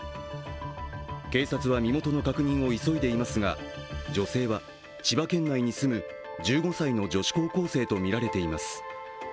警察は身元の確認を急いでいますが女性は千葉県内に住む１５歳の女子高校生とみられています。